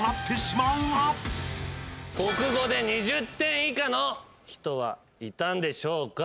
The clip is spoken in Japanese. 国語で２０点以下の人はいたんでしょうか？